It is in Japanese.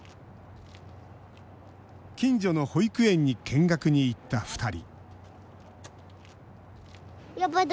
近所の保育園に見学に行った２人